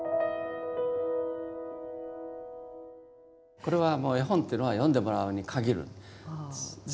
これはもう絵本っていうのは読んでもらうに限るんです。